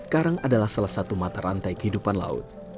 karang adalah salah satu mata rantai kehidupan laut